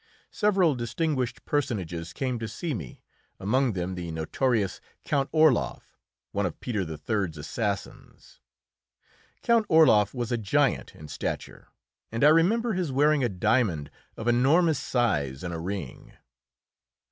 Several distinguished personages came to see me, among them the notorious Count Orloff, one of Peter the Third's assassins. Count Orloff was a giant in stature, and I remember his wearing a diamond of enormous size in a ring.